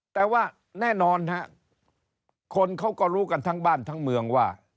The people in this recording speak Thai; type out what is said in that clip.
แต่ว่าแน่นอนฮะคนเขาก็รู้กันทั้งบ้านทั้งเมืองว่า